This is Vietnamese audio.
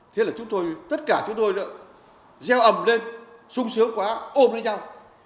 thế là chúng tôi tất cả chúng tôi đã gieo ầm lên sung sướng quá ôm lên nhau